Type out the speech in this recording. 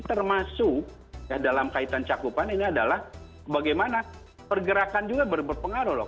termasuk dalam kaitan cakupan ini adalah bagaimana pergerakan juga berpengaruh loh